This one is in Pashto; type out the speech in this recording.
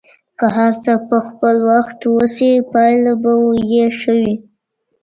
که هر څه په خپل وخت وسي پایله به یې ښه وي.